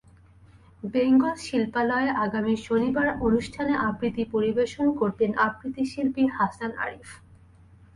বেঙ্গল শিল্পালয়ে আগামী শনিবার অনুষ্ঠানে আবৃত্তি পরিবেশন করবেন আবৃত্তিশিল্পী হাসান আরিফ।